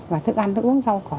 và thức ăn thức uống rau có